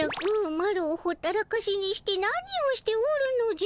マロをほったらかしにして何をしておるのじゃ。